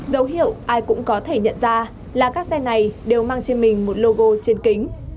dấu hiệu ai cũng có thể nhận ra là các xe này đều mang trên mình một logo trên kính